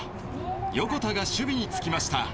横田が守備に就きました。